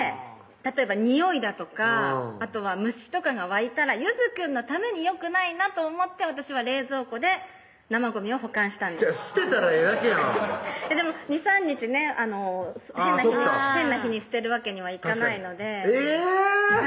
例えばにおいだとかあとは虫とかが湧いたらゆずくんのためによくないなと思って私は冷蔵庫で生ゴミを保管したんです捨てたらええだけやんでも２３日ね変な日に捨てるわけにはいかないのでえぇ！